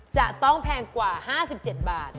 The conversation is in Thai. จะต้องแพงกว่า๕๗บาท